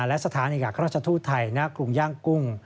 และสถานการณ์ของทุทธิ์ไทยณกรุงย่างกุ้ง